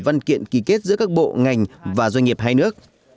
văn kiện ký kết giữa các bộ ngành và doanh nghiệp hai nước